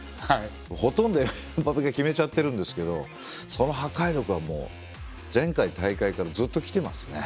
ほとんどエムバペが決めちゃってるんですけどその破壊力は前回大会からずっときていますね。